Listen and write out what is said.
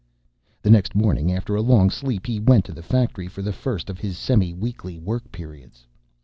The next morning, after a long sleep, he went to the factory for the first of his semi weekly work periods.